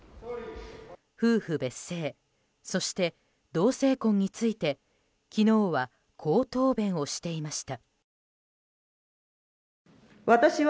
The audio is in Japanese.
夫婦別姓、そして同性婚について昨日はこう答弁をしていました。